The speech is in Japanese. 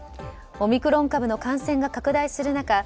オミクロン株の感染が拡大する中